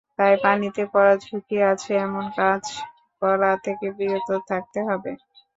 তাই পানিতে পড়ার ঝুঁকি আছে—এমন কাজ করা থেকে বিরত থাকতে হবে।